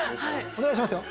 お願いしますよ。